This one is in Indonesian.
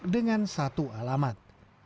dengan satu alamat